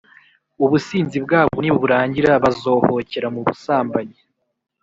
Ubusinzi bwabo niburangira, bazohokera mu busambanyi,